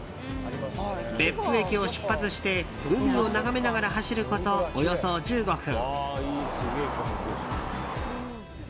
別府駅を出発して海を眺めながら走ることおよそ１５分。